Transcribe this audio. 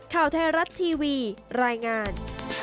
ข่าวไทยรัฐทีวีรายงาน